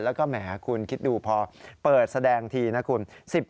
แล้วก็แหมคุณคิดดูพอเปิดแสดงทีนะคุณ